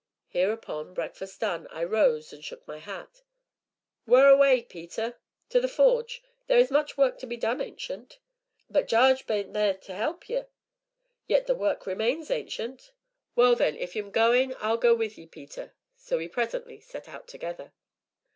Hereupon, breakfast done, I rose, and took my hat. "Wheer away, Peter?" "To the forge; there is much work to be done, Ancient." "But Jarge bean't theer to 'elp ye." "Yet the work remains, Ancient." "Why then, if you 'm goin', I'll go wi' ye, Peter." So we presently set out together.